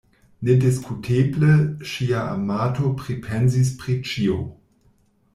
Nediskuteble ŝia amato pripensis pri ĉio.